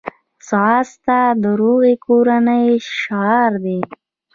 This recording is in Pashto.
ځغاسته د روغې کورنۍ شعار دی